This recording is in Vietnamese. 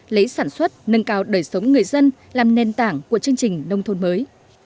lấy sản xuất nâng cao đời sống người dân làm nền tảng của chương trình nông thôn mới